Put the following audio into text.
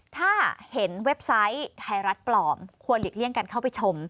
ถ้าเห็นเว็บไซต์ไทยรัฐปลอมควรหลีกเลี่ยงกันเข้าไปชม